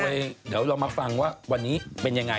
เดี๋ยวเรามาฟังว่าวันนี้เป็นยังไง